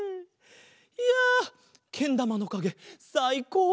いやけんだまのかげさいこうだった！